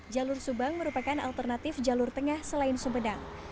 jalur subang merupakan alternatif jalur tengah selain sumedang